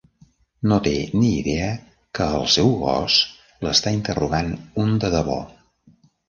No té ni idea que al seu "gos" l'està interrogant un de debò!